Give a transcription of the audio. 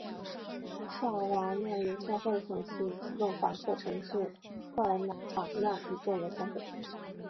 特尔纳瓦犹太会堂是斯洛伐克城市特尔纳瓦的一座犹太会堂。